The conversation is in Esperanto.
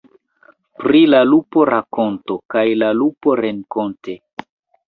Pri la lupo rakonto, kaj la lupo renkonte.